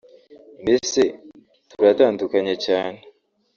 mbese turatandukanye cyane